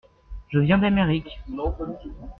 Je viens d’Amérique.